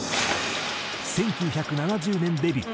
１９７０年デビュー。